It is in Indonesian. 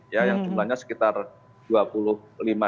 ya yang jumlahnya sekitar dua